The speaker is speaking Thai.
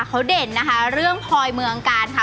เขาเด่นนะคะเรื่องพลอยเมืองกาลค่ะ